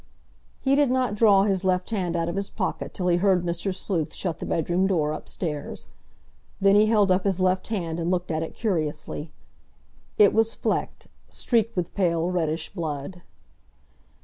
He did not draw his left hand out of his pocket till he heard Mr. Sleuth shut the bedroom door upstairs. Then he held up his left hand and looked at it curiously; it was flecked, streaked with pale reddish blood.